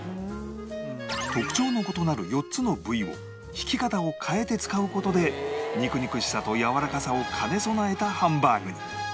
特徴の異なる４つの部位を挽き方を変えて使う事で肉々しさとやわらかさを兼ね備えたハンバーグに